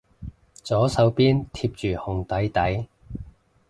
左手邊貼住紅底底